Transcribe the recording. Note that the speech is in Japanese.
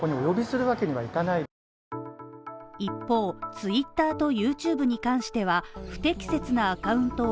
ＴｗｉｔｔｅｒとＹｏｕＴｕｂｅに関しては、不適切なアカウントを